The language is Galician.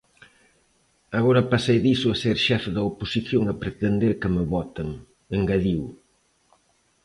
"Agora pasei diso a ser xefe da oposición e pretender que me voten", engadiu.